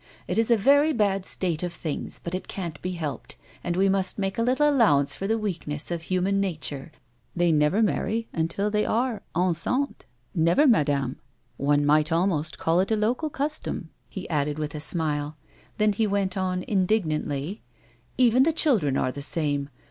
It is a very bad state of things, but it can't be helped, and we must make a little allowance for the weakness of human nature. They never marry until they are enceiiitfs ; never, madanie. One might almost call it a local custom," he added, with a smile. Then he went on indignantly : "Even the children are the same.